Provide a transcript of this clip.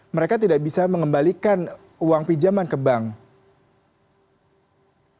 mereka tidak bisa mengembalikan uang pinjaman ke bank